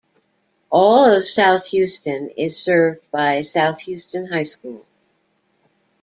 All of South Houston is served by South Houston High School.